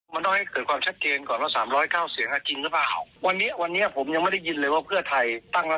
มันไม่ใช่เรื่องคณิตศาสตร์มันเป็นเรื่องที่ต้องพูดกันตรงไปตรงมา